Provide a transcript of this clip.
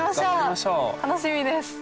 楽しみです。